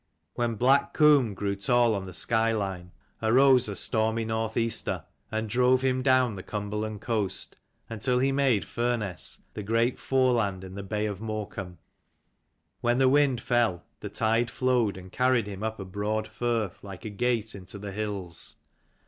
When Black Comb grew tall on the sky line, arose a stormy north easter, and drove him down the Cumberland coast, until he made Furness, the great foreland in the bay of Morecambe. When the wind fell, the tide flowed, and carried him up a broad firth like a gate into the hills.